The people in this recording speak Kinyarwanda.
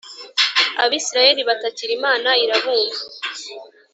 abisirayeli batakira imana irabumva